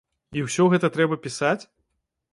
І ўсё гэта трэба пісаць?